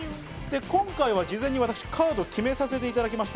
今回は事前にカードを決めさせていただきました。